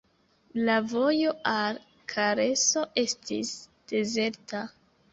La vojo al Kareso estis dezerta.